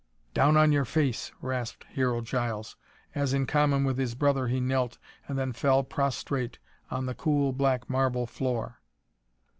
"Down on your face," rasped Hero Giles as, in common with his brother, he knelt and then fell prostrate on the cool black marble floor.